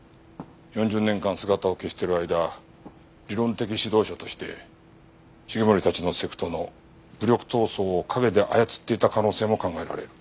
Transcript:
４０年間姿を消している間理論的指導者として繁森たちのセクトの武力闘争を陰で操っていた可能性も考えられる。